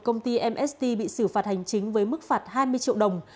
công ty mst bị xử phạt hành chính với mức phạt hai mươi triệu đồng